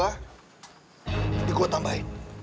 tapi gue tambahin